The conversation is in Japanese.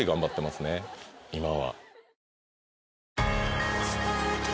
今は。